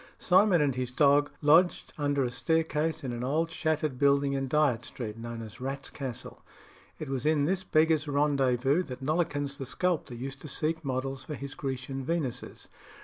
Simon and his dog lodged under a staircase in an old shattered building in Dyot Street, known as "Rat's Castle." It was in this beggars' rendezvous that Nollekens the sculptor used to seek models for his Grecian Venuses.